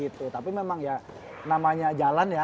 tapi memang ya namanya jalan ya